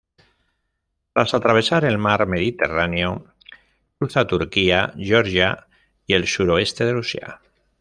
Tras atravesar el mar Mediterráneo, cruza Turquía, Georgia y el suroeste de Rusia.